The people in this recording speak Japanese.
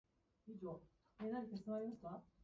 僕らは話した